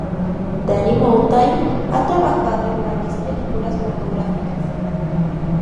Danny Mountain ha trabajado en varias películas pornográficas.